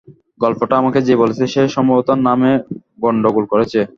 গল্পটা আমাকে যে বলেছে, সে সম্ভবত নামে গণ্ডগোল করেছে।